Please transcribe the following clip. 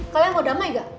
kalian mau damai gak